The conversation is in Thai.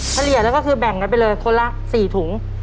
เฉลี่ยแล้วก็คือแบ่งกันไปเลยคนละ๔ถุง